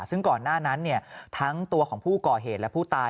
ซึ่งก่อนหน้านั้นทั้งตัวของผู้ก่อเหตุและผู้ตาย